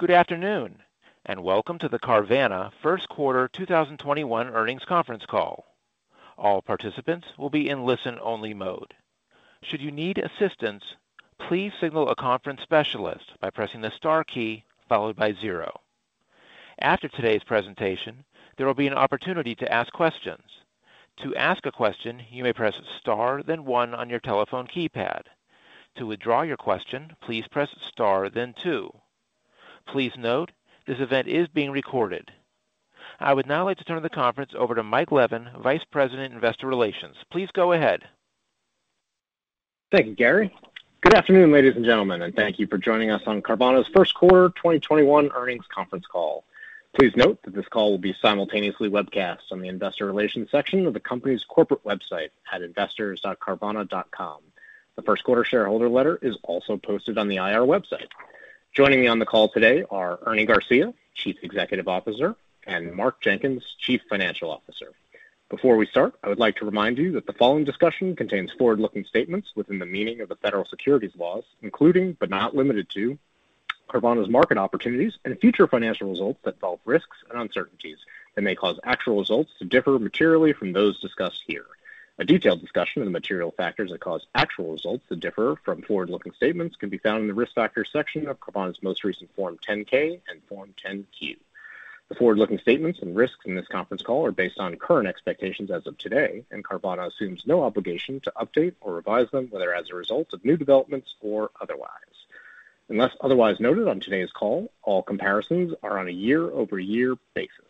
Good afternoon, and welcome to the Carvana Q1 2021 earnings conference call. I would now like to turn the conference over to Mike Levin, Vice President, Investor Relations. Please go ahead. Thank you, Gary. Good afternoon, ladies and gentlemen, and thank you for joining us on Carvana's Q1 2021 earnings conference call. Please note that this call will be simultaneously webcast on the investor relations section of the company's corporate website at investors.carvana.com. The Q1 shareholder letter is also posted on the IR website. Joining me on the call today are Ernie Garcia, Chief Executive Officer, and Mark Jenkins, Chief Financial Officer. Before we start, I would like to remind you that the following discussion contains forward-looking statements within the meaning of the Federal securities laws, including, but not limited to, Carvana's market opportunities and future financial results that involve risks and uncertainties that may cause actual results to differ materially from those discussed here. A detailed discussion of the material factors that cause actual results to differ from forward-looking statements can be found in the Risk Factors section of Carvana's most recent Form 10-K and Form 10-Q. The forward-looking statements and risks in this conference call are based on current expectations as of today, Carvana assumes no obligation to update or revise them, whether as a result of new developments or otherwise. Unless otherwise noted on today's call, all comparisons are on a year-over-year basis.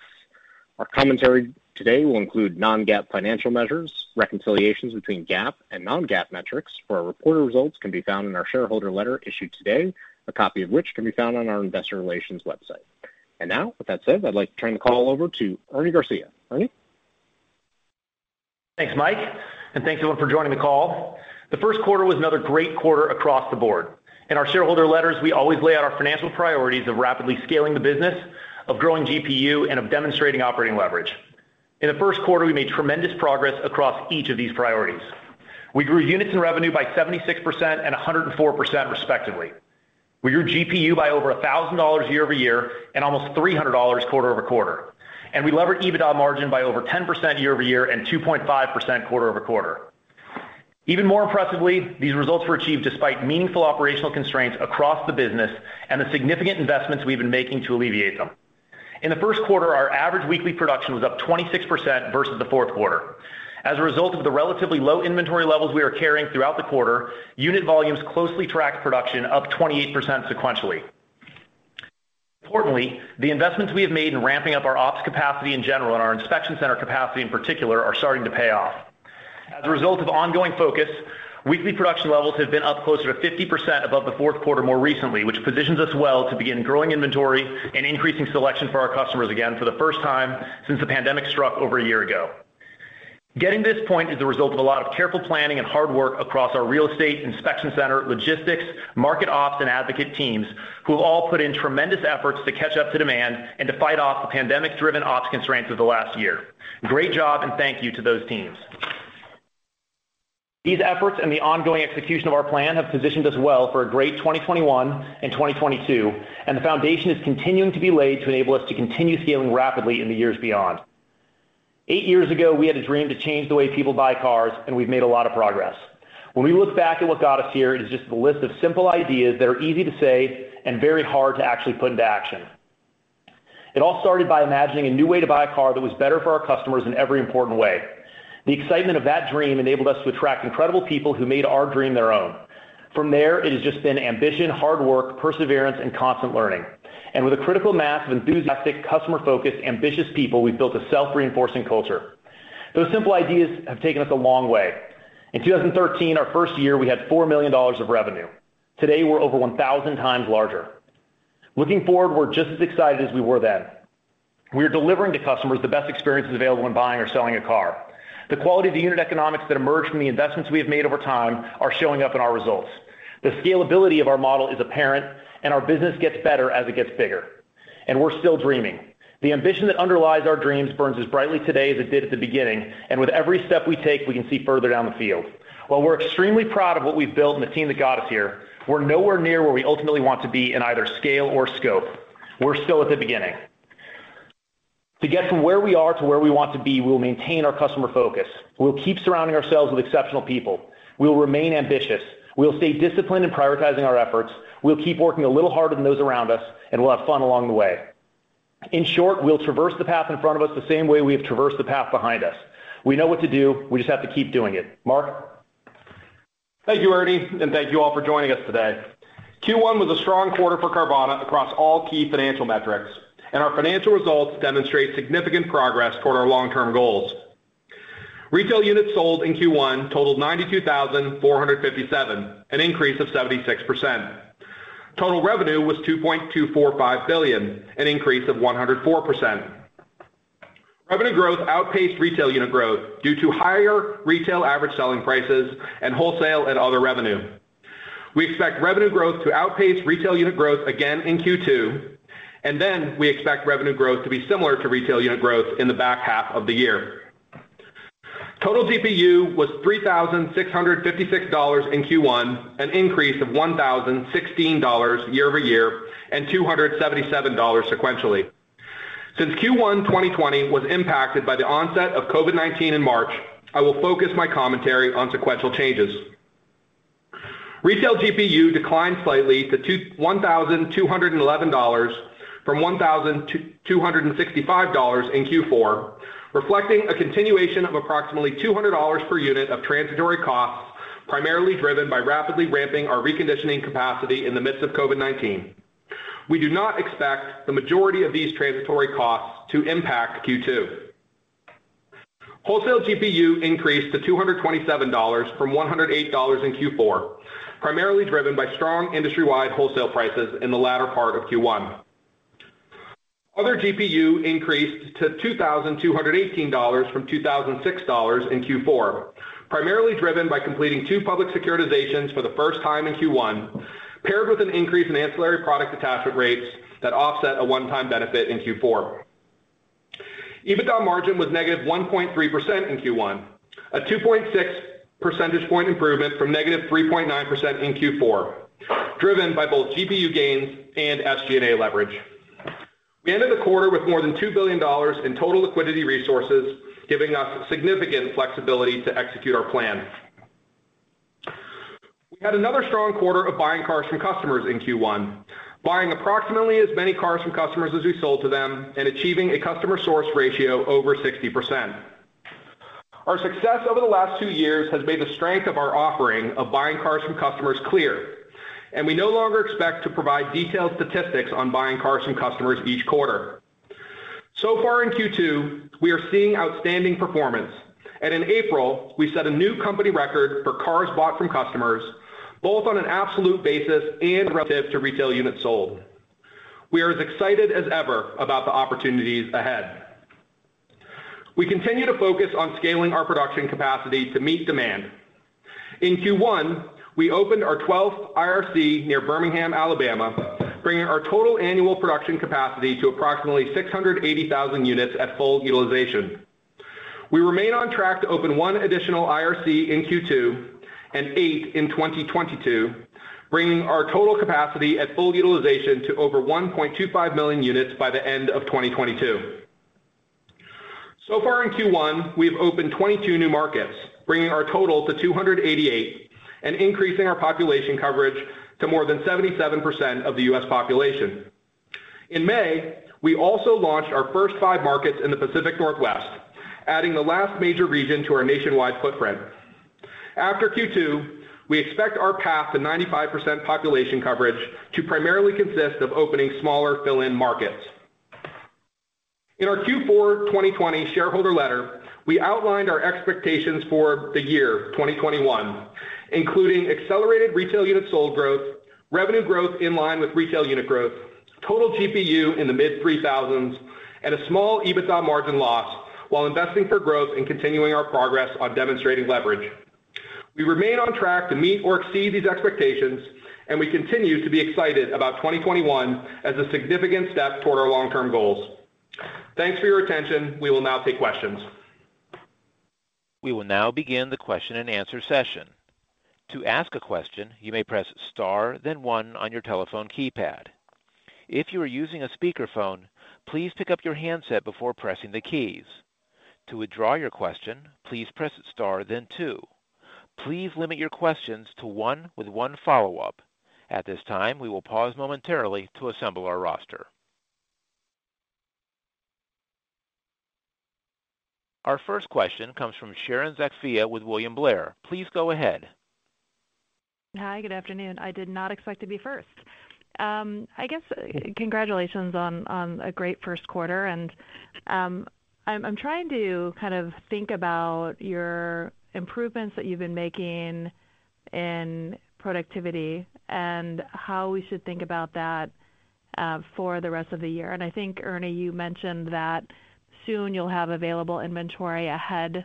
Our commentary today will include non-GAAP financial measures, reconciliations between GAAP and non-GAAP metrics for our reported results can be found in our shareholder letter issued today, a copy of which can be found on our investor relations website. Now, with that said, I'd like to turn the call over to Ernie Garcia. Ernie? Thanks, Mike, and thanks, everyone, for joining the call. The Q1 was another great quarter across the board. In our shareholder letters, we always lay out our financial priorities of rapidly scaling the business, of growing GPU, and of demonstrating operating leverage. In the Q1, we made tremendous progress across each of these priorities. We grew units and revenue by 76% and 104% respectively. We grew GPU by over $1,000 year-over-year and almost $300 quarter-over-quarter. We levered EBITDA margin by over 10% year-over-year and 2.5% quarter-over-quarter. Even more impressively, these results were achieved despite meaningful operational constraints across the business and the significant investments we've been making to alleviate them. In the Q1, our average weekly production was up 26% versus the fourth quarter. As a result of the relatively low inventory levels we are carrying throughout the quarter, unit volumes closely tracked production up 28% sequentially. Importantly, the investments we have made in ramping up our ops capacity in general and our inspection center capacity in particular are starting to pay off. As a result of ongoing focus, weekly production levels have been up closer to 50% above the fourth quarter more recently, which positions us well to begin growing inventory and increasing selection for our customers again for the first time since the pandemic struck over a year ago. Getting to this point is the result of a lot of careful planning and hard work across our real estate, inspection center, logistics, market ops, and advocate teams, who have all put in tremendous efforts to catch up to demand and to fight off the pandemic-driven ops constraints of the last year. Great job and thank you to those teams. These efforts and the ongoing execution of our plan have positioned us well for a great 2021 and 2022, and the foundation is continuing to be laid to enable us to continue scaling rapidly in the years beyond. Eight years ago, we had a dream to change the way people buy cars, and we've made a lot of progress. When we look back at what got us here, it is just a list of simple ideas that are easy to say and very hard to actually put into action. It all started by imagining a new way to buy a car that was better for our customers in every important way. The excitement of that dream enabled us to attract incredible people who made our dream their own. It has just been ambition, hard work, perseverance, and constant learning. With a critical mass of enthusiastic, customer-focused, ambitious people, we've built a self-reinforcing culture. Those simple ideas have taken us a long way. In 2013, our first year, we had $4 million of revenue. Today, we're over 1,000x larger. Looking forward, we're just as excited as we were then. We are delivering to customers the best experiences available when buying or selling a car. The quality of the unit economics that emerged from the investments we have made over time are showing up in our results. The scalability of our model is apparent, and our business gets better as it gets bigger. We're still dreaming. The ambition that underlies our dreams burns as brightly today as it did at the beginning, and with every step we take, we can see further down the field. While we're extremely proud of what we've built and the team that got us here, we're nowhere near where we ultimately want to be in either scale or scope. We're still at the beginning. To get from where we are to where we want to be, we will maintain our customer focus. We will keep surrounding ourselves with exceptional people. We will remain ambitious. We will stay disciplined in prioritizing our efforts. We'll keep working a little harder than those around us, and we'll have fun along the way. In short, we'll traverse the path in front of us the same way we have traversed the path behind us. We know what to do. We just have to keep doing it. Mark? Thank you, Ernie, and thank you all for joining us today. Q1 was a strong quarter for Carvana across all key financial metrics, and our financial results demonstrate significant progress toward our long-term goals. Retail units sold in Q1 totaled 92,457, an increase of 76%. Total revenue was $2.245 billion, an increase of 104%. Revenue growth outpaced retail unit growth due to higher retail average selling prices and wholesale and other revenue. We expect revenue growth to outpace retail unit growth again in Q2, and then we expect revenue growth to be similar to retail unit growth in the back half of the year. Total GPU was $3,656 in Q1, an increase of $1,016 year-over-year and $277 sequentially. Since Q1 2020 was impacted by the onset of COVID-19 in March, I will focus my commentary on sequential changes. Retail GPU declined slightly to $1,211 from $1,265 in Q4, reflecting a continuation of approximately $200 per unit of transitory costs, primarily driven by rapidly ramping our reconditioning capacity in the midst of COVID-19. We do not expect the majority of these transitory costs to impact Q2. Wholesale GPU increased to $227 from $108 in Q4, primarily driven by strong industry-wide wholesale prices in the latter part of Q1. Other GPU increased to $2,218 from $2,006 in Q4, primarily driven by completing two public securitizations for the first time in Q1, paired with an increase in ancillary product attachment rates that offset a one-time benefit in Q4. EBITDA margin was negative 1.3% in Q1, a 2.6 percentage point improvement from negative 3.9% in Q4, driven by both GPU gains and SG&A leverage. We ended the quarter with more than $2 billion in total liquidity resources, giving us significant flexibility to execute our plan. We had another strong quarter of buying cars from customers in Q1, buying approximately as many cars from customers as we sold to them and achieving a customer source ratio over 60%. Our success over the last two years has made the strength of our offering of buying cars from customers clear, and we no longer expect to provide detailed statistics on buying cars from customers each quarter. So far in Q2, we are seeing outstanding performance. In April, we set a new company record for cars bought from customers, both on an absolute basis and relative to retail units sold. We are as excited as ever about the opportunities ahead. We continue to focus on scaling our production capacity to meet demand. In Q1, we opened our 12th IRC near Birmingham, Alabama, bringing our total annual production capacity to approximately 680,000 units at full utilization. We remain on track to open one additional IRC in Q2 and eight in 2022, bringing our total capacity at full utilization to over 1.25 million units by the end of 2022. So far in Q1, we've opened 22 new markets, bringing our total to 288 and increasing our population coverage to more than 77% of the U.S. population. In May, we also launched our first 5 markets in the Pacific Northwest, adding the last major region to our nationwide footprint. After Q2, we expect our path to 95% population coverage to primarily consist of opening smaller fill-in markets. In our Q4 2020 shareholder letter, we outlined our expectations for the year 2021, including accelerated retail unit sold growth, revenue growth in line with retail unit growth, total GPU in the mid-$3,000s, and a small EBITDA margin loss while investing for growth and continuing our progress on demonstrating leverage. We remain on track to meet or exceed these expectations, and we continue to be excited about 2021 as a significant step toward our long-term goals. Thanks for your attention. We will now take questions. We will now begin the question and answer session. To ask a question, you may press star then one on your telephone keypad. If you are using a speakerphone, please pick up your handset before pressing the keys. To withdraw your question, please press star then two. Please limit your questions to one with 1 follow-up. At this time, we will pause momentarily to assemble our roster. Our first question comes from Sharon Zackfia with William Blair. Please go ahead. Hi, good afternoon. I did not expect to be first. I guess congratulations on a great Q1 and I'm trying to kind of think about your improvements that you've been making in productivity and how we should think about that for the rest of the year. I think, Ernie, you mentioned that soon you'll have available inventory ahead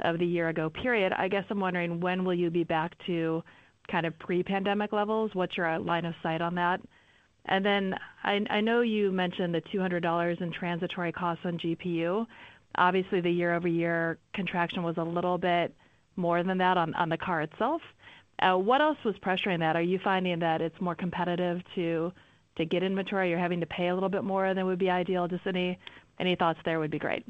of the year-ago period. I guess I'm wondering when will you be back to kind of pre-pandemic levels? What's your line of sight on that? I know you mentioned the $200 in transitory costs on GPU. Obviously, the year-over-year contraction was a little bit more than that on the car itself. What else was pressuring that? Are you finding that it's more competitive to get inventory? You're having to pay a little bit more than would be ideal. Any thoughts there would be great.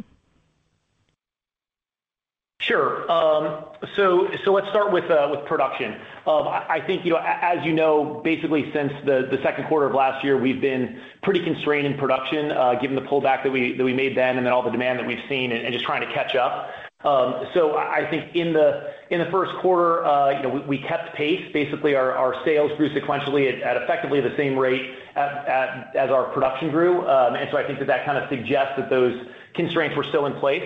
Sure. Let's start with production. I think, you know, as you know, basically since the Q2 of last year, we've been pretty constrained in production, given the pullback that we made then and all the demand that we've seen and just trying to catch up. I think in the Q1, you know, we kept pace. Basically, our sales grew sequentially at effectively the same rate as our production grew. I think that kinda suggests that those constraints were still in place.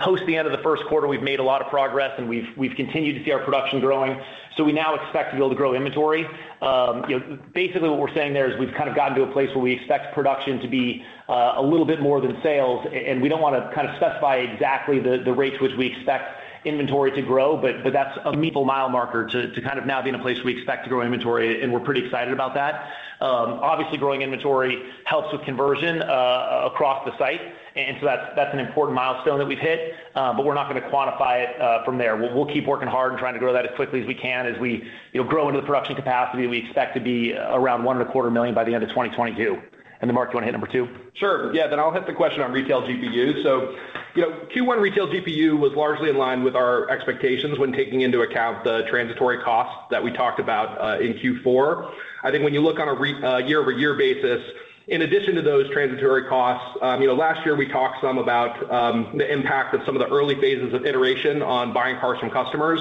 Post the end of the Q1, we've made a lot of progress, and we've continued to see our production growing. We now expect to be able to grow inventory. You know, basically what we're saying there is we've kind of gotten to a place where we expect production to be a little bit more than sales. We don't wanna kind of specify exactly the rates which we expect Inventory to grow, but that's a meaningful mile marker to kind of now be in a place we expect to grow inventory, and we're pretty excited about that. Obviously growing inventory helps with conversion across the site. That's an important milestone that we've hit. We're not gonna quantify it from there. We'll keep working hard and trying to grow that as quickly as we can as we, you know, grow into the production capacity we expect to be around 1.25 million by the end of 2022. Mark, do you wanna hit number two? Sure. Yeah. I'll hit the question on retail GPU. You know, Q1 retail GPU was largely in line with our expectations when taking into account the transitory costs that we talked about in Q4. I think when you look on a year-over-year basis, in addition to those transitory costs, you know, last year we talked some about the impact of some of the early phases of iteration on buying cars from customers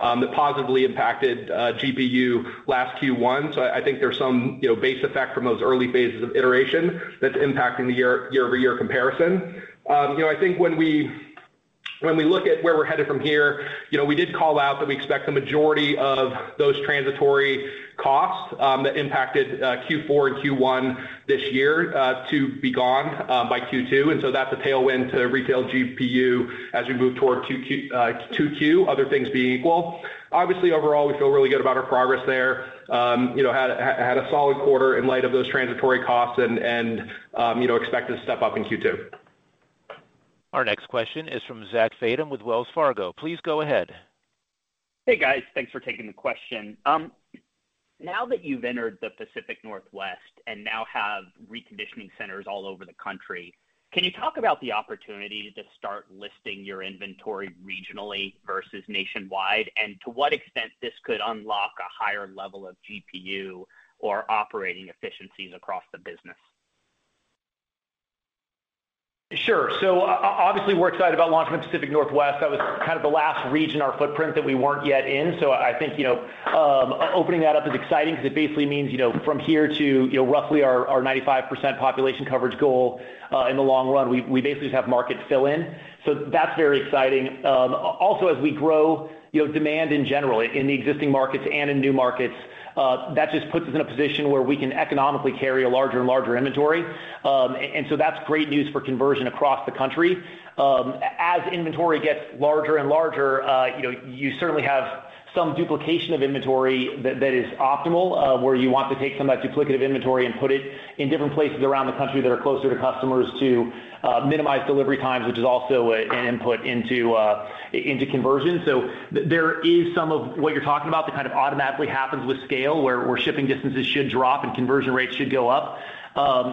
that positively impacted GPU last Q1. I think there's some, you know, base effect from those early phases of iteration that's impacting the year-over-year comparison. You know, I think when we, when we look at where we're headed from here, you know, we did call out that we expect the majority of those transitory costs that impacted Q4 and Q1 this year to be gone by Q2. That's a tailwind to retail GPU as we move toward Q2, other things being equal. Obviously, overall, we feel really good about our progress there. You know, had a solid quarter in light of those transitory costs and, you know, expect to step up in Q2. Our next question is from Zachary Fadem with Wells Fargo. Please go ahead. Hey, guys. Thanks for taking the question. Now that you've entered the Pacific Northwest and now have reconditioning centers all over the country, can you talk about the opportunity to start listing your inventory regionally versus nationwide? To what extent this could unlock a higher level of GPU or operating efficiencies across the business? Sure. Obviously, we're excited about launching the Pacific Northwest. That was kind of the last region or footprint that we weren't yet in. I think, you know, opening that up is exciting because it basically means, you know, from here to, you know, roughly our 95% population coverage goal, in the long run, we basically just have markets fill in. That's very exciting. Also, as we grow, you know, demand in general in the existing markets and in new markets, that just puts us in a position where we can economically carry a larger and larger inventory. That's great news for conversion across the country. As inventory gets larger and larger, you know, you certainly have some duplication of inventory that is optimal, where you want to take some of that duplicative inventory and put it in different places around the country that are closer to customers to minimize delivery times, which is also an input into conversion. There is some of what you're talking about that kind of automatically happens with scale, where shipping distances should drop and conversion rates should go up.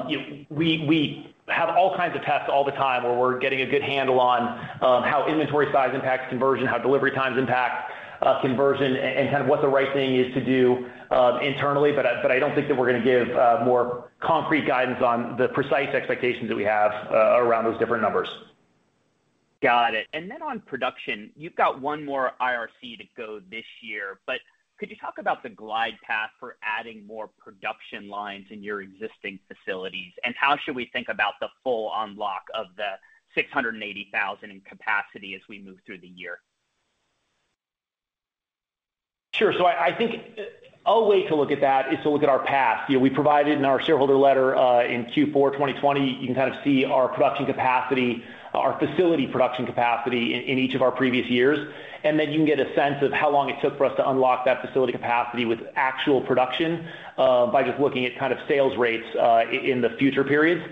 You know, we have all kinds of tests all the time where we're getting a good handle on how inventory size impacts conversion, how delivery times impact conversion, and kind of what the right thing is to do internally. I don't think that we're gonna give more concrete guidance on the precise expectations that we have around those different numbers. Got it. On production, you've got one more IRC to go this year, but could you talk about the glide path for adding more production lines in your existing facilities? How should we think about the full unlock of the 680,000 in capacity as we move through the year? Sure. I think a way to look at that is to look at our past. You know, we provided in our shareholder letter in Q4 2020, you can kind of see our production capacity, our facility production capacity in each of our previous years. You can get a sense of how long it took for us to unlock that facility capacity with actual production by just looking at kind of sales rates in the future periods.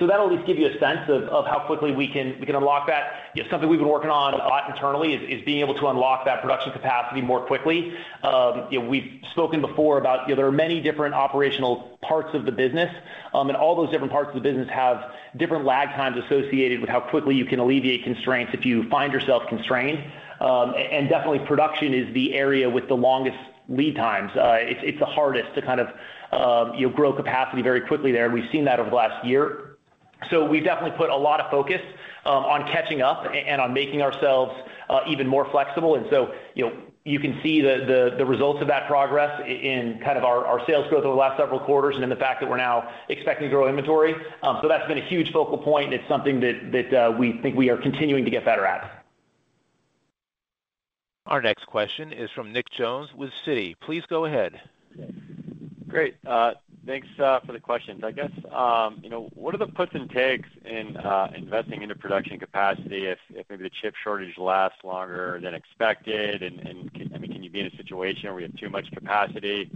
That'll at least give you a sense of how quickly we can unlock that. You know, something we've been working on a lot internally is being able to unlock that production capacity more quickly. You know, we've spoken before about, you know, there are many different operational parts of the business, and all those different parts of the business have different lag times associated with how quickly you can alleviate constraints if you find yourself constrained. Definitely production is the area with the longest lead times. It's the hardest to kind of, you know, grow capacity very quickly there. We've seen that over the last year. We've definitely put a lot of focus on catching up and on making ourselves even more flexible. You know, you can see the results of that progress in kind of our sales growth over the last several quarters and in the fact that we're now expecting to grow inventory. That's been a huge focal point, and it's something that we think we are continuing to get better at. Our next question is from Nick Jones with Citi. Please go ahead. Great. Thanks for the question. I guess, you know, what are the puts and takes in investing into production capacity if maybe the chip shortage lasts longer than expected? I mean, can you be in a situation where you have too much capacity?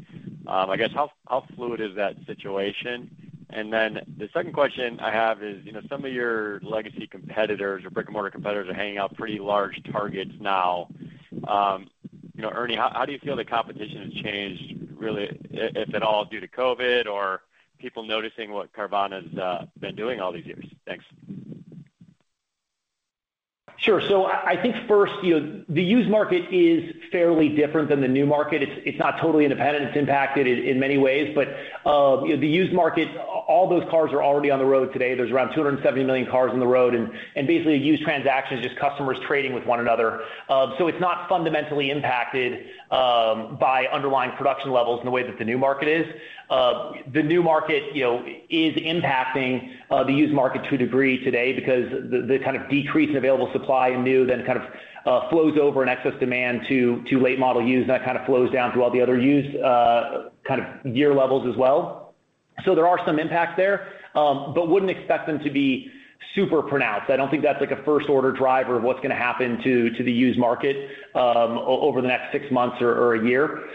I guess how fluid is that situation? The second question I have is, you know, some of your legacy competitors or brick-and-mortar competitors are hanging out pretty large targets now. You know, Ernie, how do you feel the competition has changed really, if at all, due to COVID or people noticing what Carvana's been doing all these years? Thanks. Sure. I think first, you know, the used market is fairly different than the new market. It's not totally independent. It's impacted in many ways. You know, the used market, all those cars are already on the road today. There's around 270 million cars on the road, and basically a used transaction is just customers trading with one another. It's not fundamentally impacted by underlying production levels in the way that the new market is. The new market, you know, is impacting the used market to a degree today because the kind of decrease in available supply in new then kind of flows over in excess demand to late model used, and that kind of flows down through all the other used kind of year levels as well. There are some impacts there, but wouldn't expect them to be super pronounced. I don't think that's like a first order driver of what's gonna happen to the used market over the next six months or one year.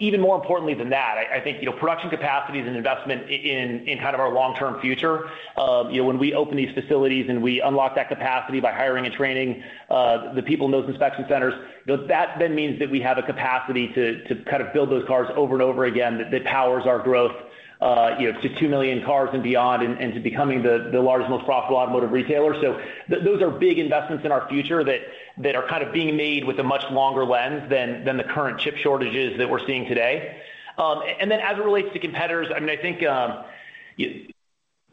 Even more importantly than that, I think, you know, production capacity is an investment in kind of our long-term future. You know, when we open these facilities and we unlock that capacity by hiring and training, the people in those inspection centers, you know, that then means that we have a capacity to kind of build those cars over and over again that powers our growth, you know, to 2 million cars and beyond, and to becoming the largest, most profitable automotive retailer. Those are big investments in our future that are kind of being made with a much longer lens than the current chip shortages that we're seeing today. As it relates to competitors, I mean, I think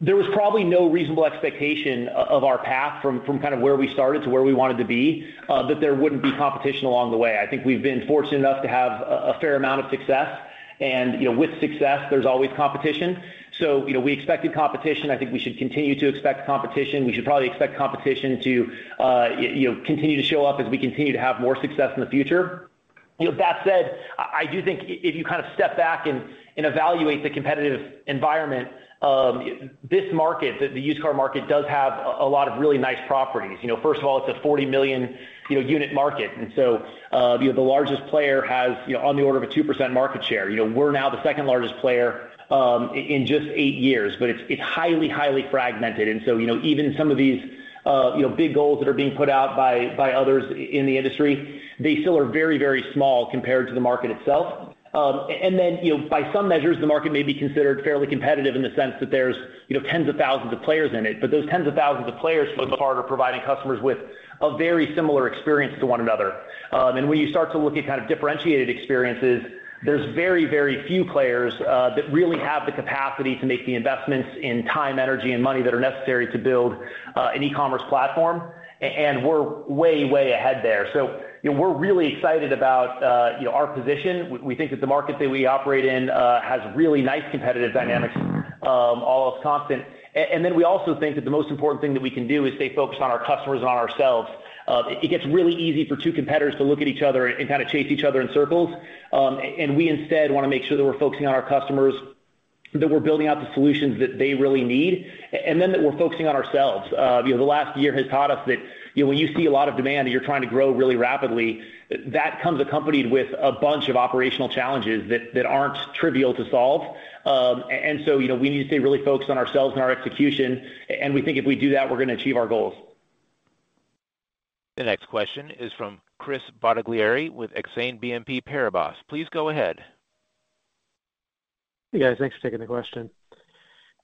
there was probably no reasonable expectation of our path from kind of where we started to where we wanted to be, that there wouldn't be competition along the way. I think we've been fortunate enough to have a fair amount of success. You know, with success, there's always competition. You know, we expected competition. I think we should continue to expect competition. We should probably expect competition to, you know, continue to show up as we continue to have more success in the future. You know, that said, I do think if you kind of step back and evaluate the competitive environment, this market, the used car market does have a lot of really nice properties. You know, first of all, it's a 40 million, you know, unit market. So, you know, the largest player has, you know, on the order of a 2% market share. You know, we're now the second-largest player, in just eight years. It's highly fragmented. You know, even some of these, you know, big goals that are being put out by others in the industry, they still are very, very small compared to the market itself. Then, you know, by some measures, the market may be considered fairly competitive in the sense that there's, you know, tens of thousands of players in it. Those tens of thousands of players for the most part are providing customers with a very similar experience to one another. When you start to look at kind of differentiated experiences, there's very, very few players that really have the capacity to make the investments in time, energy, and money that are necessary to build an e-commerce platform. We're way ahead there. You know, we're really excited about, you know, our position. We think that the market that we operate in has really nice competitive dynamics, all else constant. Then we also think that the most important thing that we can do is stay focused on our customers and on ourselves. It gets really easy for two competitors to look at each other and kind of chase each other in circles. We instead wanna make sure that we're focusing on our customers, that we're building out the solutions that they really need, then that we're focusing on ourselves. You know, the last year has taught us that, you know, when you see a lot of demand and you're trying to grow really rapidly, that comes accompanied with a bunch of operational challenges that aren't trivial to solve. You know, we need to stay really focused on ourselves and our execution. We think if we do that, we're gonna achieve our goals. The next question is from Chris Bottiglieri with Exane BNP Paribas. Please go ahead. Hey, guys. Thanks for taking the question.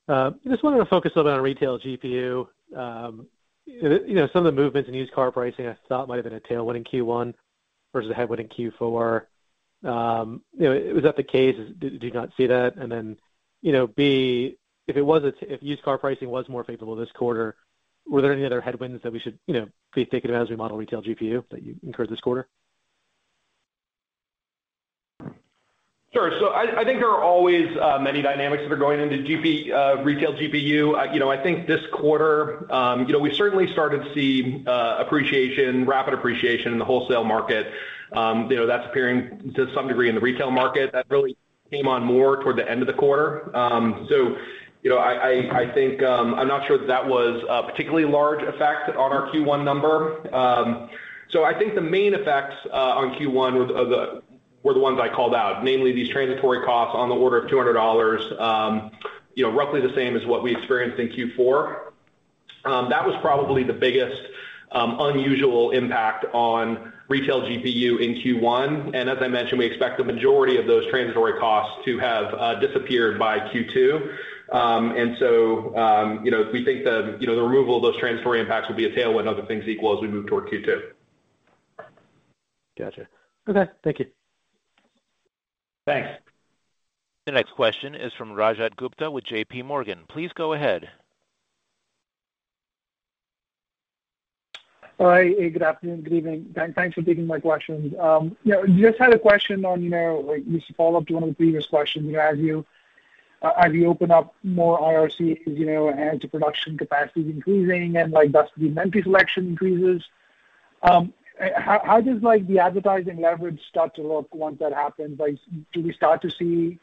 I just wanted to focus a little bit on retail GPU. You know, some of the movements in used car pricing I thought might have been a tailwind in Q1 versus a headwind in Q4. You know, was that the case? Do you not see that? You know, B, if it was if used car pricing was more favorable this quarter, were there any other headwinds that we should, you know, be thinking of as we model retail GPU that you incurred this quarter? Sure. I think there are always many dynamics that are going into retail GPU. You know, I think this quarter, you know, we certainly started to see appreciation, rapid appreciation in the wholesale market. You know, that's appearing to some degree in the retail market. That really came on more toward the end of the quarter. You know, I, I think I'm not sure that that was a particularly large effect on our Q1 number. I think the main effects on Q1 were the ones I called out, namely these transitory costs on the order of $200, you know, roughly the same as what we experienced in Q4. That was probably the biggest unusual impact on retail GPU in Q1. As I mentioned, we expect the majority of those transitory costs to have disappeared by Q2. You know, we think the, you know, the removal of those transitory impacts will be a tailwind, other things equal, as we move toward Q2. Gotcha. Okay. Thank you. Thanks. The next question is from Rajat Gupta with JPMorgan. Please go ahead. Hi. Good afternoon, good evening. Thanks for taking my questions. You know, just had a question on, you know, like just to follow up to one of the previous questions. You know, as you open up more IRCs, you know, and to production capacity increasing and like thus the inventory selection increases, how does like the advertising leverage start to look once that happens? Like, do we start to see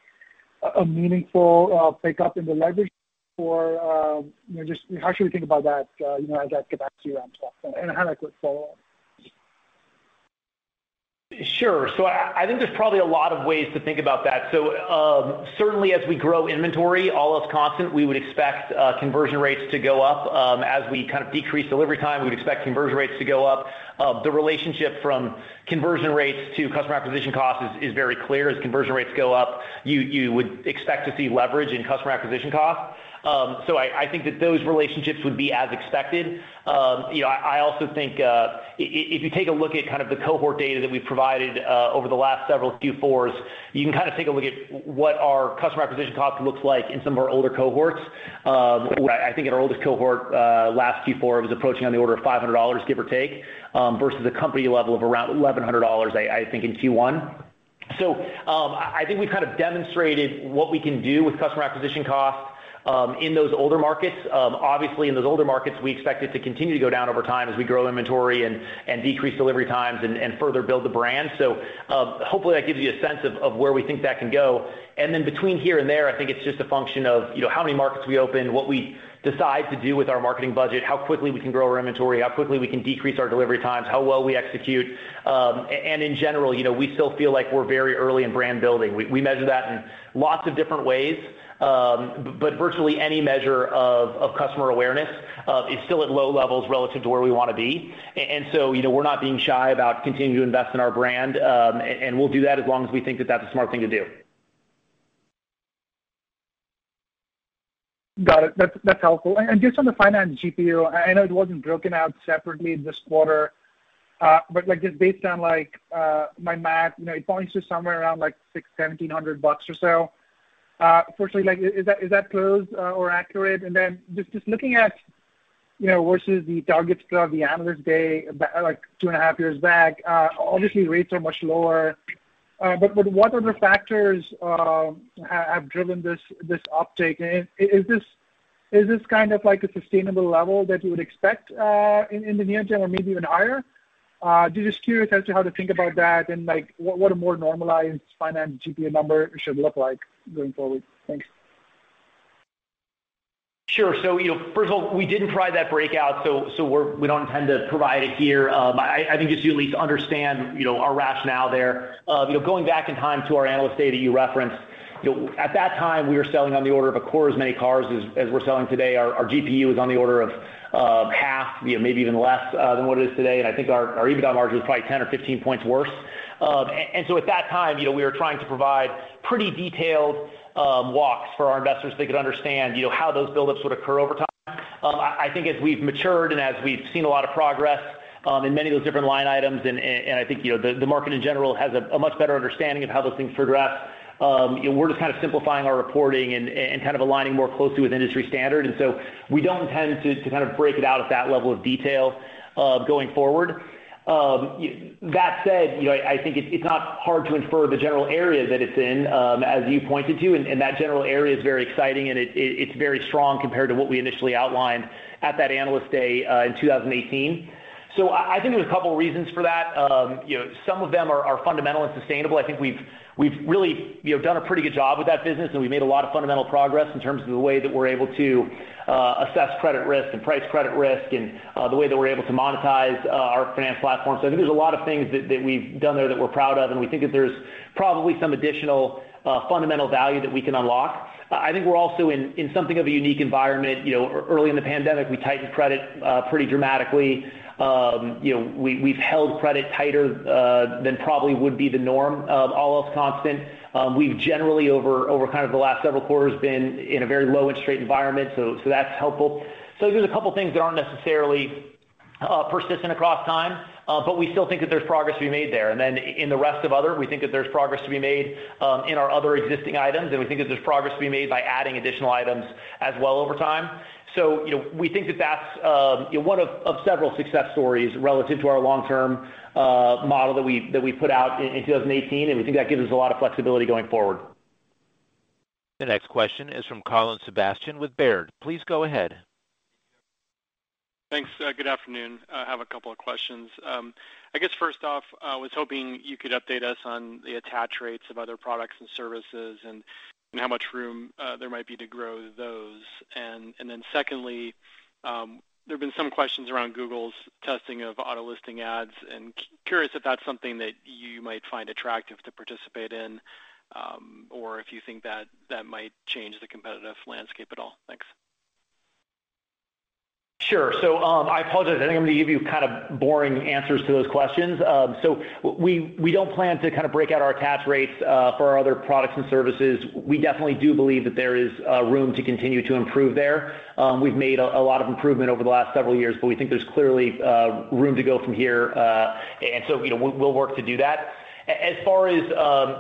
a meaningful pickup in the leverage or, you know, just how should we think about that, you know, as that capacity ramps up? I had a quick follow-up. Sure. I think there's probably a lot of ways to think about that. Certainly as we grow inventory, all else constant, we would expect conversion rates to go up. As we kind of decrease delivery time, we would expect conversion rates to go up. The relationship from conversion rates to customer acquisition costs is very clear. As conversion rates go up, you would expect to see leverage in customer acquisition costs. I think that those relationships would be as expected. You know, I also think if you take a look at kind of the cohort data that we've provided over the last several Q4s, you can kind of take a look at what our customer acquisition cost looks like in some of our older cohorts. I think in our oldest cohort, last Q4 was approaching on the order of $500, give or take, versus a company level of around $1,100, I think in Q1. I think we've kind of demonstrated what we can do with customer acquisition costs. In those older markets, obviously in those older markets, we expect it to continue to go down over time as we grow inventory and decrease delivery times and further build the brand. Hopefully that gives you a sense of where we think that can go. Between here and there, I think it's just a function of how many markets we open, what we decide to do with our marketing budget, how quickly we can grow our inventory, how quickly we can decrease our delivery times, how well we execute. In general, we still feel like we're very early in brand building. We measure that in lots of different ways, virtually any measure of customer awareness is still at low levels relative to where we wanna be. We're not being shy about continuing to invest in our brand, we'll do that as long as we think that that's a smart thing to do. Got it. That's helpful. Just on the finance GPU, I know it wasn't broken out separately this quarter, but just based on my math, you know, it points to somewhere around $1,700 or so. Firstly, is that close or accurate? Then just looking at, you know, versus the target from of the analyst day like 2.5 years back, obviously rates are much lower. But what other factors have driven this uptake? Is this kind of like a sustainable level that you would expect in the near term or maybe even higher? Just curious as to how to think about that and like what a more normalized finance GPU number should look like going forward. Thanks. Sure. You know, first of all, we didn't try that breakout, we don't intend to provide it here. I think just so you at least understand, you know, our rationale there. You know, going back in time to our analyst day that you referenced, you know, at that time, we were selling on the order of a quarter as many cars as we're selling today. Our GPU was on the order of half, you know, maybe even less than what it is today. I think our EBITDA margin was probably 10 or 15 points worse. At that time, you know, we were trying to provide pretty detailed walks for our investors so they could understand, you know, how those buildups would occur over time. I think as we've matured and as we've seen a lot of progress in many of those different line items, and I think, you know, the market in general has a much better understanding of how those things progress, you know, we're just kind of simplifying our reporting and kind of aligning more closely with industry standard. We don't intend to kind of break it out at that level of detail going forward. That said, you know, I think it's not hard to infer the general area that it's in, as you pointed to, and that general area is very exciting and it's very strong compared to what we initially outlined at that analyst day in 2018. I think there's a couple reasons for that. You know, some of them are fundamental and sustainable. I think we've really, you know, done a pretty good job with that business, and we've made a lot of fundamental progress in terms of the way that we're able to assess credit risk and price credit risk and the way that we're able to monetize our finance platform. I think there's a lot of things that we've done there that we're proud of, and we think that there's probably some additional fundamental value that we can unlock. I think we're also in something of a unique environment. You know, early in the pandemic, we tightened credit pretty dramatically. You know, we've held credit tighter than probably would be the norm of all else constant. We've generally over kind of the last several quarters been in a very low interest rate environment, so that's helpful. I think there's a couple things that aren't necessarily persistent across time, but we still think that there's progress to be made there. In the rest of other, we think that there's progress to be made in our other existing items, and we think that there's progress to be made by adding additional items as well over time. You know, we think that that's, you know, one of several success stories relative to our long-term model that we, that we put out in 2018, and we think that gives us a lot of flexibility going forward. The next question is from Colin Sebastian with Baird. Please go ahead. Thanks. Good afternoon. I have a couple of questions. I guess first off, I was hoping you could update us on the attach rates of other products and services and how much room there might be to grow those. Secondly, there've been some questions around Google's testing of auto listing ads, and curious if that's something that you might find attractive to participate in, or if you think that that might change the competitive landscape at all. Thanks. Sure. I apologize. I think I'm gonna give you kind of boring answers to those questions. We don't plan to kind of break out our attach rates for our other products and services. We definitely do believe that there is room to continue to improve there. We've made a lot of improvement over the last several years, but we think there's clearly room to go from here. You know, we'll work to do that. As far as,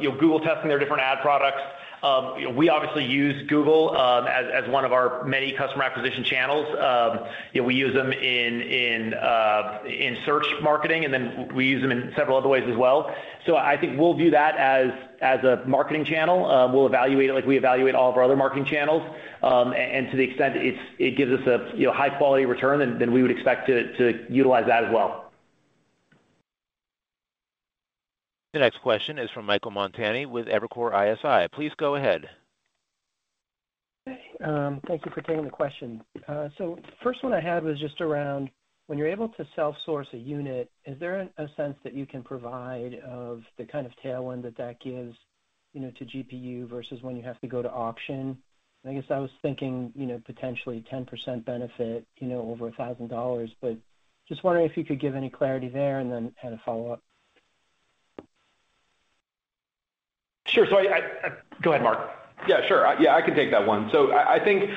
you know, Google testing their different ad products, you know, we obviously use Google as one of our many customer acquisition channels. You know, we use them in search marketing, we use them in several other ways as well. I think we'll view that as a marketing channel. We'll evaluate it like we evaluate all of our other marketing channels. And to the extent it gives us a, you know, high-quality return, then we would expect to utilize that as well. The next question is from Michael Montani with Evercore ISI. Please go ahead. Okay. Thank you for taking the question. First one I had was just around when you're able to self-source a unit, is there a sense that you can provide of the kind of tailwind that that gives, you know, to GPU versus when you have to go to auction? I guess I was thinking, you know, potentially 10% benefit, you know, over $1,000. Just wondering if you could give any clarity there, and then I had a follow-up. Sure. I Go ahead, Mark. Yeah, sure. Yeah, I can take that one. I think,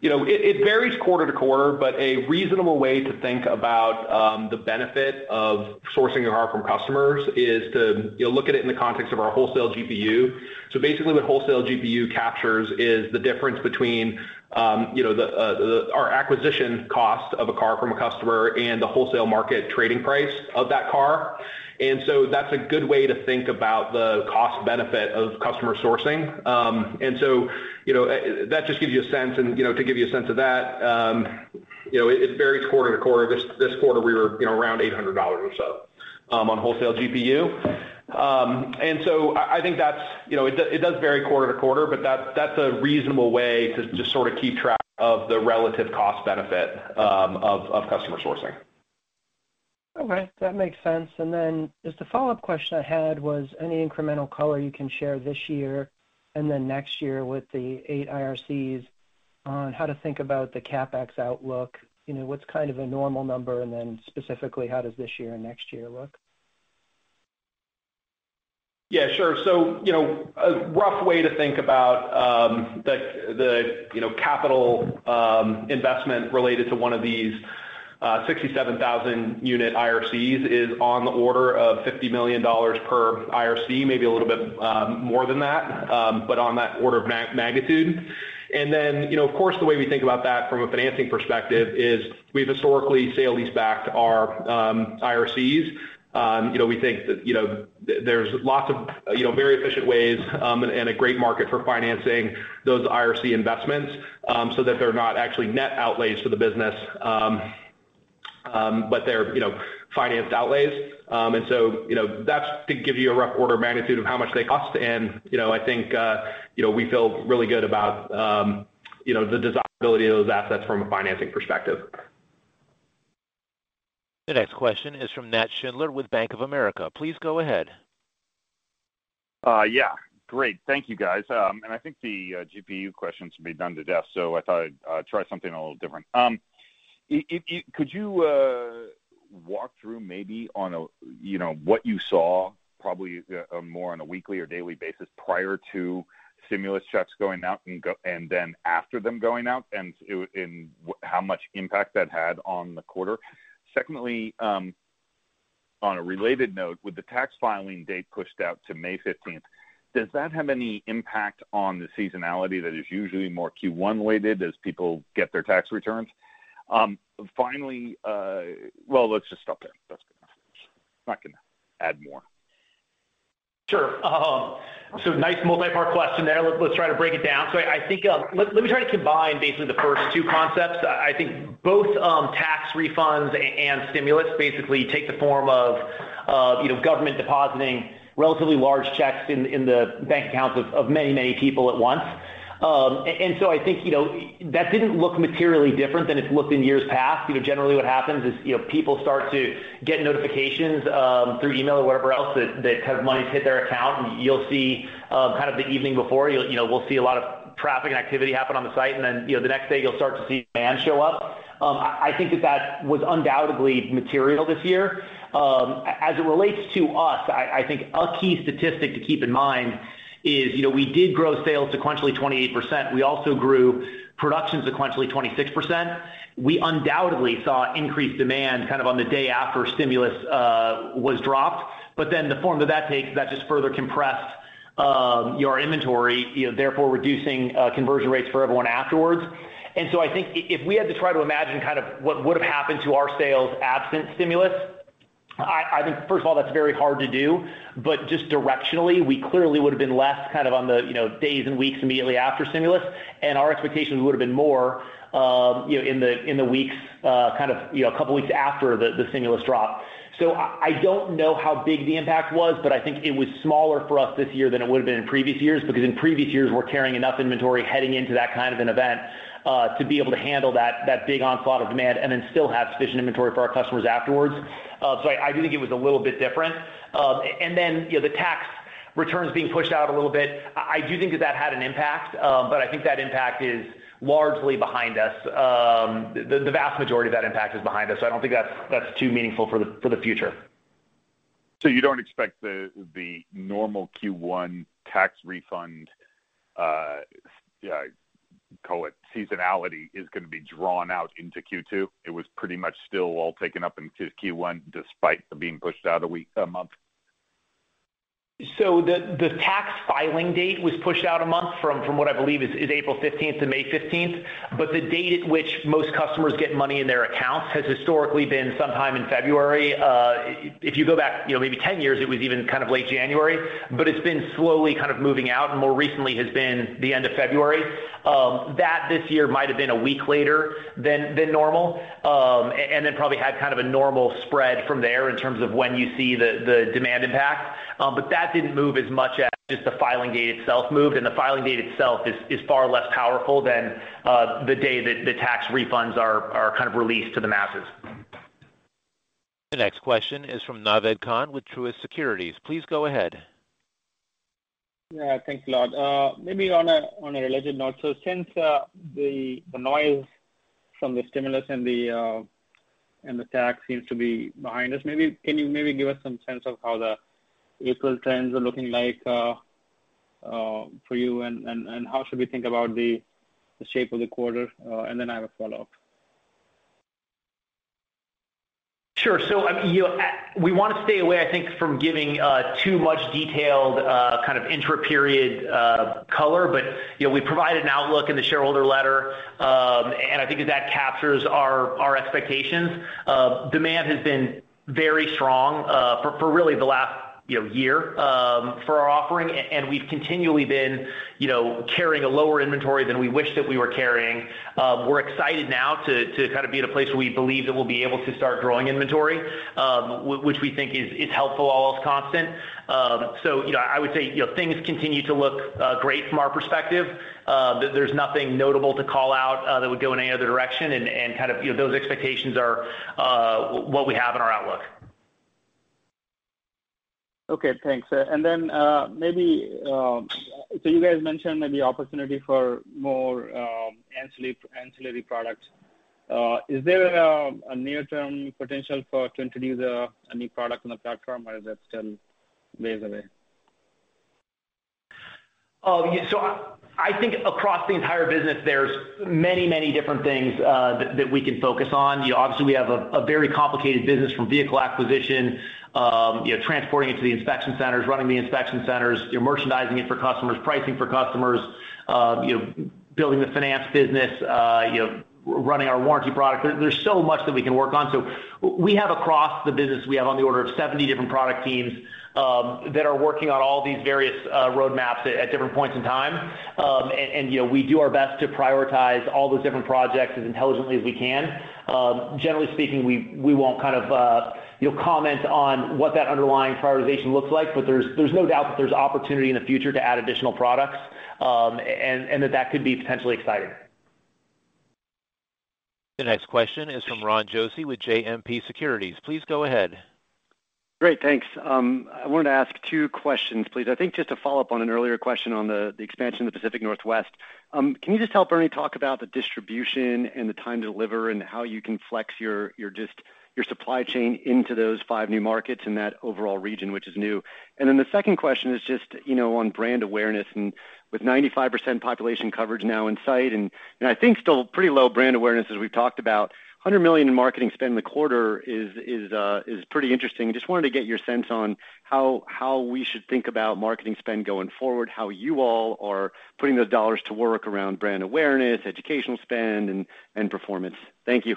you know, it varies quarter to quarter, but a reasonable way to think about the benefit of sourcing a car from customers is to, you know, look at it in the context of our wholesale GPU. Basically, what wholesale GPU captures is the difference between, you know, our acquisition cost of a car from a customer and the wholesale market trading price of that car. That's a good way to think about the cost benefit of customer sourcing. You know, that just gives you a sense and, you know, to give you a sense of that. You know, it varies quarter to quarter. This quarter we were, you know, around $800 or so, on wholesale GPU. I think that's, you know, it does vary quarter to quarter, but that's a reasonable way to just sort of keep track of the relative cost benefit, of customer sourcing. Okay. That makes sense. Just a follow-up question I had was any incremental color you can share this year and then next year with the 8 IRCs on how to think about the CapEx outlook. You know, what's kind of a normal number, and then specifically, how does this year and next year look? Yeah, sure. You know, a rough way to think about, you know, capital investment related to one of these 67,000 unit IRCs is on the order of $50 million per IRC, maybe a little bit more than that. But on that order of magnitude. You know, of course, the way we think about that from a financing perspective is we've historically sale-leaseback our IRCs. You know, we think that, you know, there's lots of, you know, very efficient ways and a great market for financing those IRC investments so that they're not actually net outlays for the business, but they're, you know, financed outlays. You know, that's to give you a rough order of magnitude of how much they cost. You know, I think, you know, we feel really good about, you know, the desirability of those assets from a financing perspective. The next question is from Nat Schindler with Bank of America. Please go ahead. Yeah. Great. Thank you, guys. I think the GPU question's been done to death, so I thought I'd try something a little different. Could you walk through maybe on a, you know, what you saw probably more on a weekly or daily basis prior to stimulus checks going out and then after them going out and how much impact that had on the quarter? Secondly, on a related note, with the tax filing date pushed out to May 15th, does that have any impact on the seasonality that is usually more Q1 weighted as people get their tax returns? Finally, Well, let's just stop there. That's good enough. I'm not gonna add more. Sure. Nice multi-part question there. Let's try to break it down. I think, let me try to combine basically the first two concepts. I think both, tax refunds and stimulus basically take the form of, you know, government depositing relatively large checks in the bank accounts of many, many people at once. I think, you know, that didn't look materially different than it's looked in years past. You know, generally what happens is, you know, people start to get notifications, through email or whatever else that kind of money's hit their account, and you'll see, kind of the evening before. You know, we'll see a lot of traffic and activity happen on the site, and then, you know, the next day you'll start to see demand show up. I think that that was undoubtedly material this year. As it relates to us, I think a key statistic to keep in mind is, you know, we did grow sales sequentially 28%. We also grew production sequentially 26%. We undoubtedly saw increased demand kind of on the day after stimulus was dropped. The form that that takes, that just further compressed your inventory, you know, therefore reducing conversion rates for everyone afterwards. I think if we had to try to imagine kind of what would've happened to our sales absent stimulus, I think first of all, that's very hard to do. Just directionally, we clearly would've been less kind of on the, you know, days and weeks immediately after stimulus, and our expectations would've been more, you know, in the, in the weeks, kind of, you know, a couple of weeks after the stimulus dropped. I don't know how big the impact was, but I think it was smaller for us this year than it would've been in previous years, because in previous years, we're carrying enough inventory heading into that kind of an event, to be able to handle that big onslaught of demand and then still have sufficient inventory for our customers afterwards. I do think it was a little bit different. You know, the tax returns being pushed out a little bit, I do think that that had an impact, but I think that impact is largely behind us. The vast majority of that impact is behind us, so I don't think that's too meaningful for the future. You don't expect the normal Q1 tax refund, call it seasonality, is gonna be drawn out into Q2? It was pretty much still all taken up into Q1 despite being pushed out a week, a month. The tax filing date was pushed out one month from what I believe is April 15th to May 15th. The date at which most customers get money in their accounts has historically been sometime in February. If you go back, you know, maybe 10 years, it was even kind of late January. It's been slowly kind of moving out, and more recently has been the end of February. That this year might've been one week later than normal, and then probably had kind of a normal spread from there in terms of when you see the demand impact. That didn't move as much as just the filing date itself moved, and the filing date itself is far less powerful than the day that the tax refunds are kind of released to the masses. The next question is from Naved Khan with Truist Securities. Please go ahead. Yeah. Thanks a lot. Maybe on a related note. Since the noise from the stimulus and the tax seems to be behind us, can you maybe give us some sense of how the April trends are looking like for you, and how should we think about the shape of the quarter? Then I have a follow-up. Sure. you know, we wanna stay away, I think, from giving too much detailed kind of intra-period color. you know, we provide an outlook in the shareholder letter, and I think that that captures our expectations. demand has been very strong for really the last you know, year for our offering. We've continually been, you know, carrying a lower inventory than we wished that we were carrying. We're excited now to kind of be at a place where we believe that we'll be able to start growing inventory, which we think is helpful all else constant. you know, I would say, you know, things continue to look great from our perspective. There's nothing notable to call out that would go in any other direction and kind of, you know, those expectations are what we have in our outlook. Okay. Thanks. Maybe you guys mentioned maybe opportunity for more ancillary products. Is there a near-term potential for to introduce a new product on the platform, or is that still ways away? Yeah, I think across the entire business there's many different things that we can focus on. You know, obviously we have a very complicated business from vehicle acquisition, you know, transporting it to the inspection centers, running the inspection centers, you know, merchandising it for customers, pricing for customers, you know, building the finance business, you know, running our warranty product. There's so much that we can work on. We have across the business, we have on the order of 70 different product teams that are working on all these various roadmaps at different points in time. You know, we do our best to prioritize all those different projects as intelligently as we can. Generally speaking, we won't kind of, you know, comment on what that underlying prioritization looks like, but there's no doubt that there's opportunity in the future to add additional products, and that could be potentially exciting. The next question is from Ron Josey with JMP Securities. Please go ahead. Great. Thanks. I wanted to ask two questions, please. I think just to follow up on an earlier question on the expansion of the Pacific Northwest. Can you just help Ernie talk about the distribution and the time to deliver and how you can flex your supply chain into those five new markets in that overall region, which is new? The second question is just, you know, on brand awareness and with 95% population coverage now in sight, and, you know, I think still pretty low brand awareness as we've talked about, $100 million in marketing spend in the quarter is pretty interesting. Just wanted to get your sense on how we should think about marketing spend going forward, how you all are putting those dollars to work around brand awareness, educational spend and performance. Thank you.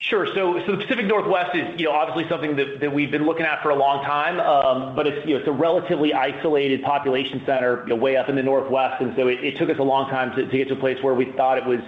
Sure. The Pacific Northwest is, you know, obviously something that we've been looking at for a long time. It's, you know, it's a relatively isolated population center, you know, way up in the Northwest. It took us a long time to get to a place where we thought it was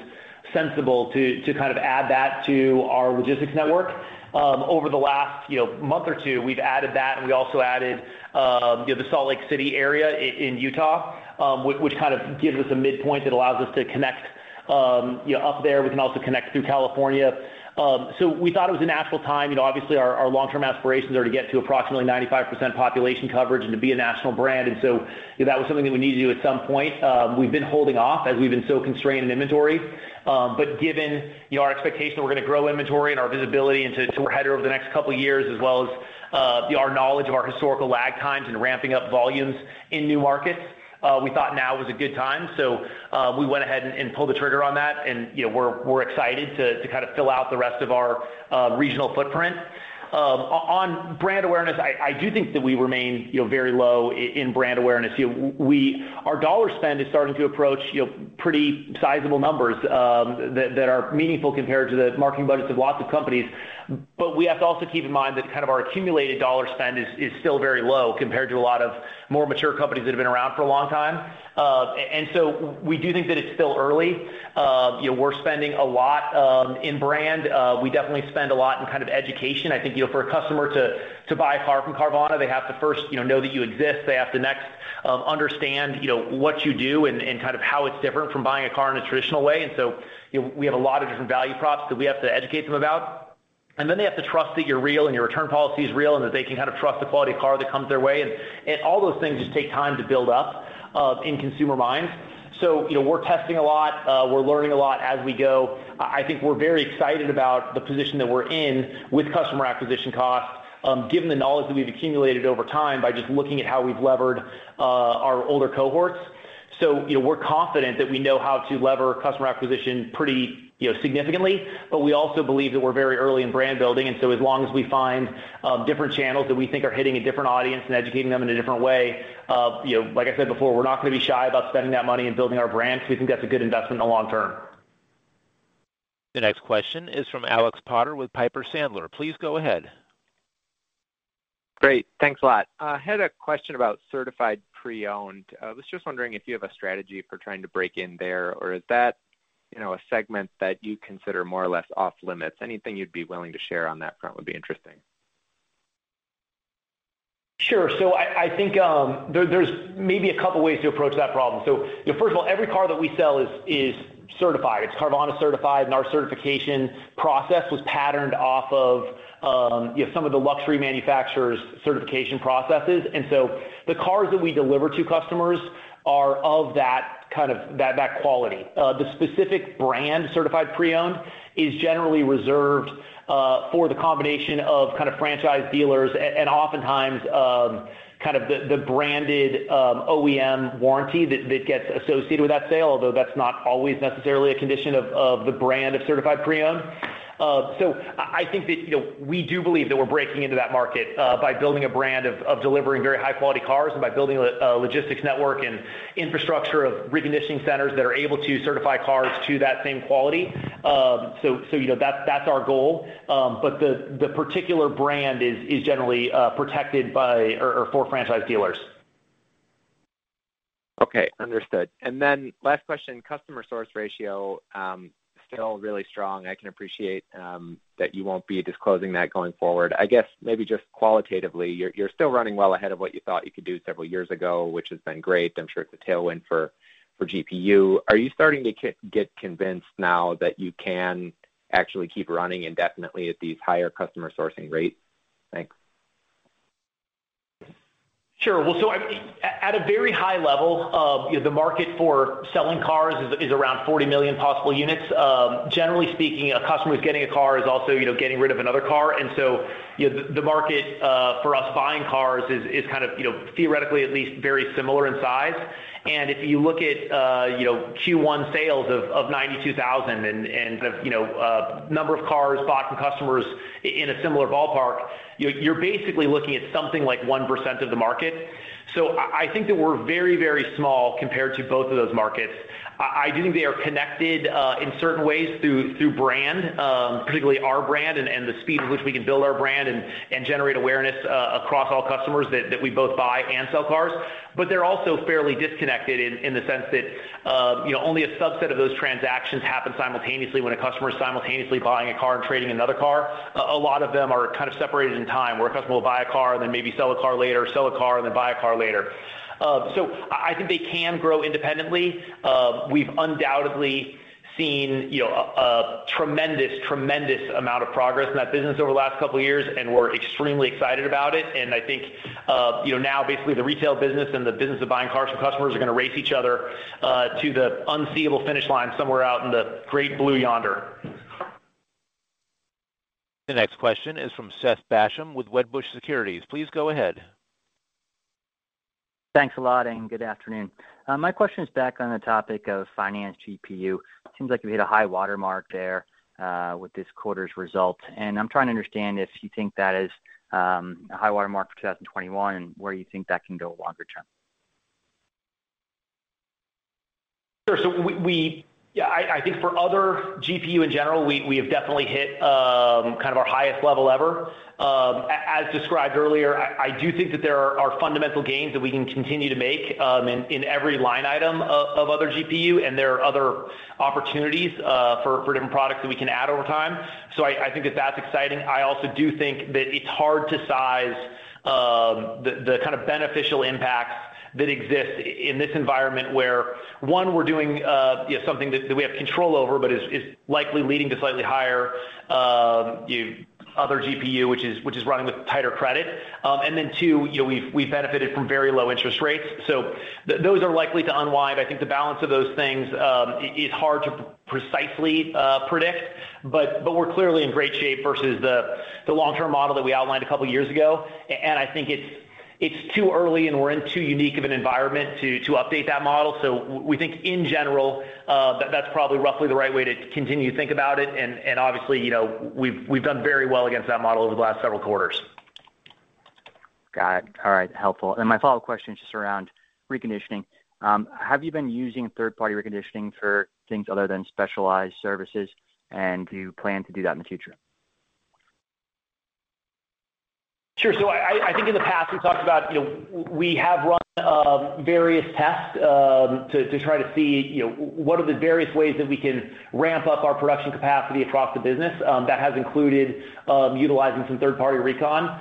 sensible to kind of add that to our logistics network. Over the last, you know, month or two, we've added that, and we also added, you know, the Salt Lake City area in Utah, which kind of gives us a midpoint that allows us to connect, you know, up there. We can also connect through California. We thought it was a natural time. You know, obviously our long-term aspirations are to get to approximately 95% population coverage and to be a national brand. You know, that was something that we need to do at some point. We've been holding off as we've been so constrained in inventory. Given, you know, our expectation that we're gonna grow inventory and our visibility into where we're headed over the next two years, as well as, you know, our knowledge of our historical lag times and ramping up volumes in new markets, we thought now was a good time. We went ahead and pulled the trigger on that. You know, we're excited to kind of fill out the rest of our regional footprint. On brand awareness, I do think that we remain, you know, very low in brand awareness. You know, our dollar spend is starting to approach, you know, pretty sizable numbers that are meaningful compared to the marketing budgets of lots of companies. We have to also keep in mind that kind of our accumulated dollar spend is still very low compared to a lot of more mature companies that have been around for a long time. We do think that it's still early. You know, we're spending a lot in brand. We definitely spend a lot in kind of education. I think, you know, for a customer to buy a car from Carvana, they have to first, you know that you exist. They have to next understand, you know, what you do and kind of how it's different from buying a car in a traditional way. You know, we have a lot of different value props that we have to educate them about. They have to trust that you're real and your return policy is real, and that they can kind of trust the quality of car that comes their way. All those things just take time to build up in consumer minds. You know, we're testing a lot. We're learning a lot as we go. I think we're very excited about the position that we're in with customer acquisition costs given the knowledge that we've accumulated over time by just looking at how we've levered our older cohorts. you know, we're confident that we know how to lever customer acquisition pretty, you know, significantly, but we also believe that we're very early in brand building. As long as we find different channels that we think are hitting a different audience and educating them in a different way, you know, like I said before, we're not gonna be shy about spending that money and building our brand because we think that's a good investment in the long term. The next question is from Alex Potter with Piper Sandler. Please go ahead. Great. Thanks a lot. I had a question about certified pre-owned. I was just wondering if you have a strategy for trying to break in there, or is that, you know, a segment that you consider more or less off limits? Anything you'd be willing to share on that front would be interesting. Sure. I think there's maybe a couple ways to approach that problem. You know, first of all, every car that we sell is certified. It's Carvana certified, and our certification process was patterned off of, you know, some of the luxury manufacturers' certification processes. The cars that we deliver to customers are of that quality. The specific brand certified pre-owned is generally reserved for the combination of kind of franchise dealers and oftentimes kind of the branded OEM warranty that gets associated with that sale, although that's not always necessarily a condition of the brand of certified pre-owned. I think that, you know, we do believe that we're breaking into that market by building a brand of delivering very high-quality cars and by building a logistics network and infrastructure of reconditioning centers that are able to certify cars to that same quality. You know, that's our goal. The particular brand is generally protected by or for franchise dealers. Okay, understood. Last question, customer source ratio, still really strong. I can appreciate that you won't be disclosing that going forward. I guess maybe just qualitatively, you're still running well ahead of what you thought you could do several years ago, which has been great. I'm sure it's a tailwind for GPU. Are you starting to get convinced now that you can actually keep running indefinitely at these higher customer sourcing rates? Thanks. Sure. Well, I mean, at a very high level of, you know, the market for selling cars is around 40 million possible units. Generally speaking, a customer who's getting a car is also, you know, getting rid of another car. You know, the market for us buying cars is kind of, you know, theoretically at least very similar in size. If you look at, you know, Q1 sales of 92,000 and the, you know, number of cars bought from customers in a similar ballpark, you're basically looking at something like 1% of the market. I think that we're very, very small compared to both of those markets. I do think they are connected in certain ways through brand, particularly our brand and the speed at which we can build our brand and generate awareness across all customers that we both buy and sell cars. They're also fairly disconnected in the sense that, you know, only a subset of those transactions happen simultaneously when a customer is simultaneously buying a car and trading another car. A lot of them are kind of separated in time, where a customer will buy a car and then maybe sell a car later, sell a car and then buy a car later. I think they can grow independently. We've undoubtedly seen, you know, a tremendous amount of progress in that business over the last couple of years, and we're extremely excited about it. I think, you know, now basically the retail business and the business of buying cars from customers are gonna race each other to the unseeable finish line somewhere out in the great blue yonder. The next question is from Seth Basham with Wedbush Securities. Please go ahead. Thanks a lot, and good afternoon. My question is back on the topic of finance GPU. Seems like you hit a high water mark there with this quarter's result, and I'm trying to understand if you think that is a high water mark for 2021 and where you think that can go longer term. Sure. I think for Other GPU in general, we have definitely hit kind of our highest level ever. As described earlier, I do think that there are fundamental gains that we can continue to make in every line item of Other GPU, and there are other opportunities for different products that we can add over time. I think that that's exciting. I also do think that it's hard to size the kind of beneficial impacts that exist in this environment where, one, we're doing, you know, something that we have control over but is likely leading to slightly higher, you know, Other GPU, which is running with tighter credit. Two, you know, we've benefited from very low interest rates. Those are likely to unwind. I think the balance of those things is hard to precisely predict, but we're clearly in great shape versus the long-term model that we outlined a couple of years ago. I think it's too early and we're in too unique of an environment to update that model. We think in general that that's probably roughly the right way to continue to think about it. Obviously, you know, we've done very well against that model over the last several quarters. Got it. All right. Helpful. My follow-up question is just around reconditioning. Have you been using third-party reconditioning for things other than specialized services? Do you plan to do that in the future? Sure. I think in the past, we've talked about, you know, we have run various tests to try to see, you know, what are the various ways that we can ramp up our production capacity across the business that has included utilizing some third-party recon.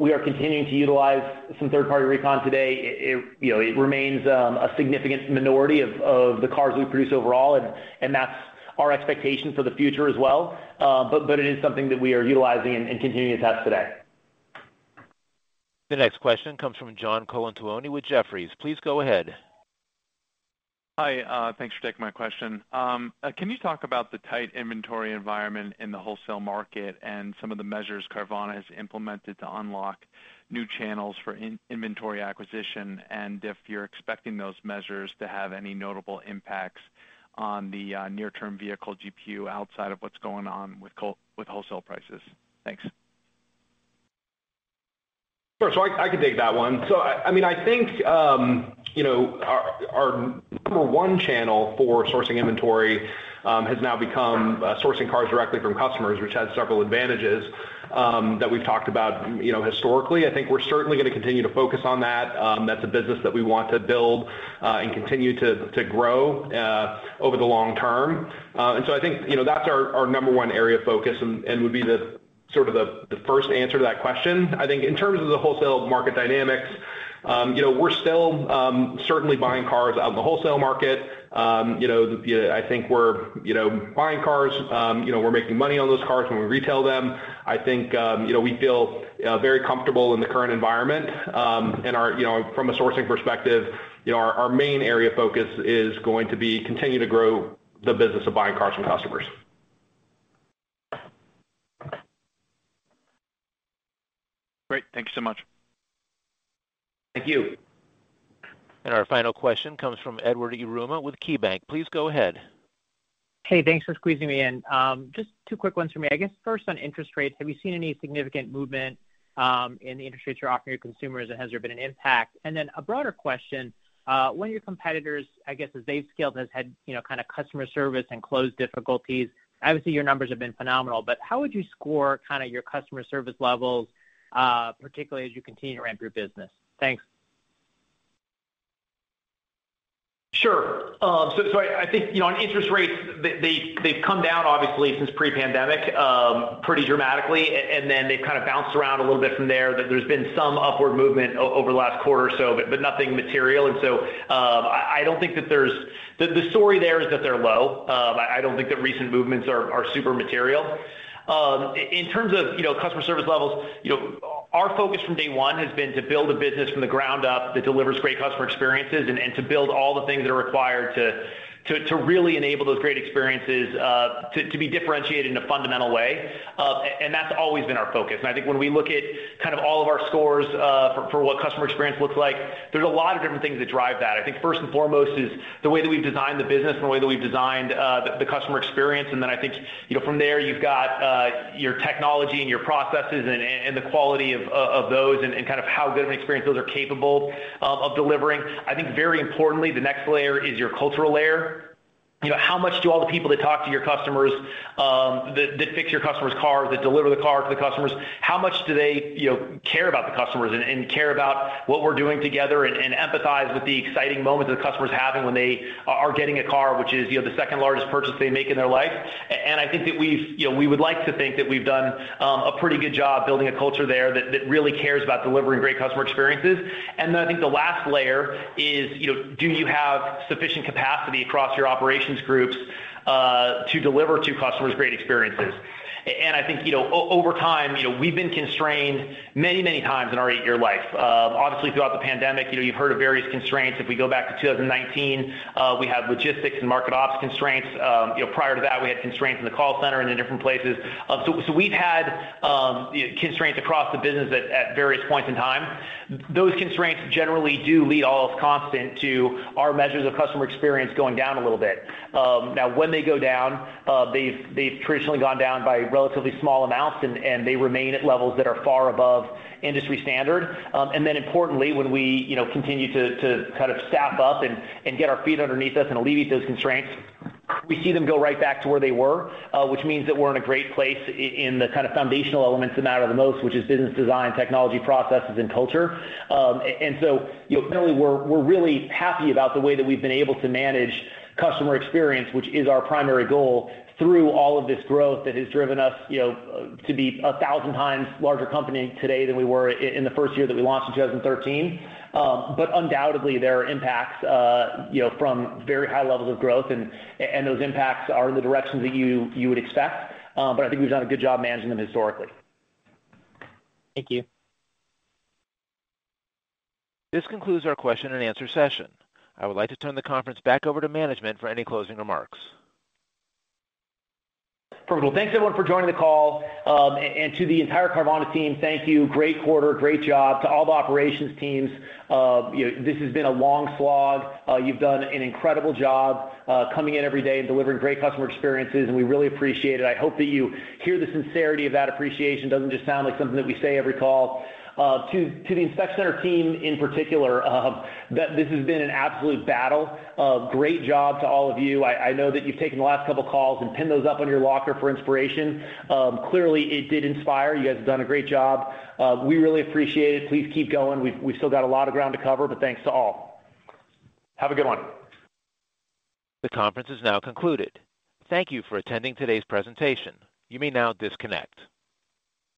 We are continuing to utilize some third-party recon today. It, you know, it remains a significant minority of the cars we produce overall. That's our expectation for the future as well. But it is something that we are utilizing and continuing to test today. The next question comes from John Colantuoni with Jefferies. Please go ahead. Hi. Thanks for taking my question. Can you talk about the tight inventory environment in the wholesale market and some of the measures Carvana has implemented to unlock new channels for in-inventory acquisition, and if you're expecting those measures to have any notable impacts on the near-term vehicle GPU outside of what's going on with wholesale prices? Thanks. Sure. I can take that one. I mean, I think, you know, our number one channel for sourcing inventory has now become sourcing cars directly from customers, which has several advantages that we've talked about, you know, historically. I think we're certainly gonna continue to focus on that. That's a business that we want to build and continue to grow over the long term. I think, you know, that's our number one area of focus and would be sort of the first answer to that question. I think in terms of the wholesale market dynamics, you know, we're still certainly buying cars out of the wholesale market. You know, I think we're, you know, buying cars. You know, we're making money on those cars when we retail them. I think, you know, we feel very comfortable in the current environment. You know, from a sourcing perspective, you know, our main area of focus is going to be continue to grow the business of buying cars from customers. Great. Thank you so much. Thank you. Our final question comes from Edward Yruma with KeyBanc. Please go ahead. Hey, thanks for squeezing me in. Just two quick ones for me. I guess first on interest rates, have you seen any significant movement in the interest rates you're offering your consumers? Has there been an impact? A broader question, one of your competitors, I guess, as they've scaled, has had, you know, kind of customer service and close difficulties. Obviously, your numbers have been phenomenal, but how would you score kind of your customer service levels, particularly as you continue to ramp your business? Thanks. Sure. I think, you know, on interest rates, they've come down obviously since pre-pandemic, pretty dramatically. Then they've kinda bounced around a little bit from there. There's been some upward movement over the last quarter or so, but nothing material. I don't think that there's The story there is that they're low. I don't think that recent movements are super material. In terms of, you know, customer service levels, you know, our focus from day one has been to build a business from the ground up that delivers great customer experiences and to build all the things that are required to really enable those great experiences to be differentiated in a fundamental way. That's always been our focus. I think when we look at kind of all of our scores, for what customer experience looks like, there's a lot of different things that drive that. I think first and foremost is the way that we've designed the business and the way that we've designed the customer experience. Then I think, you know, from there, you've got your technology and your processes and the quality of those and kind of how good an experience those are capable of delivering. I think very importantly, the next layer is your cultural layer. You know, how much do all the people that talk to your customers, that fix your customer's car, that deliver the car to the customers, how much do they, you know, care about the customers and care about what we're doing together and empathize with the exciting moment that the customer's having when they are getting a car, which is, you know, the second largest purchase they make in their life? I think that we've You know, we would like to think that we've done a pretty good job building a culture there that really cares about delivering great customer experiences. Then I think the last layer is, you know, do you have sufficient capacity across your operations groups to deliver to customers great experiences? I think, you know, over time, you know, we've been constrained many, many times in our eight-year life. Obviously, throughout the pandemic, you know, you've heard of various constraints. If we go back to 2019, we had logistics and market ops constraints. You know, prior to that, we had constraints in the call center and in different places. We've had, you know, constraints across the business at various points in time. Those constraints generally do lead all else constant to our measures of customer experience going down a little bit. Now when they go down, they've traditionally gone down by relatively small amounts, and they remain at levels that are far above industry standard. Importantly, when we, you know, continue to kind of staff up and get our feet underneath us and alleviate those constraints, we see them go right back to where they were, which means that we're in a great place in the kind of foundational elements that matter the most, which is business design, technology, processes, and culture. You know, clearly, we're really happy about the way that we've been able to manage customer experience, which is our primary goal, through all of this growth that has driven us, you know, to be a 1,000x larger company today than we were in the first year that we launched in 2013. Undoubtedly, there are impacts, you know, from very high levels of growth, and those impacts are in the directions that you would expect. I think we've done a good job managing them historically. Thank you. This concludes our question and answer session. I would like to turn the conference back over to management for any closing remarks. Perfect. Well, thanks everyone for joining the call. To the entire Carvana team, thank you. Great quarter. Great job. To all the operations teams, you know, this has been a long slog. You've done an incredible job coming in every day and delivering great customer experiences, and we really appreciate it. I hope that you hear the sincerity of that appreciation. Doesn't just sound like something that we say every call. To the inspection center team in particular, this has been an absolute battle. Great job to all of you. I know that you've taken the last couple calls and pinned those up on your locker for inspiration. Clearly it did inspire. You guys have done a great job. We really appreciate it. Please keep going. We've still got a lot of ground to cover, but thanks to all. Have a good one. The conference is now concluded. Thank you for attending today's presentation. You may now disconnect.